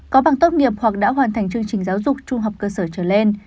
có bằng tốt nghiệp hoặc đã hoàn thành chương trình giáo dục trung học cơ sở trở lên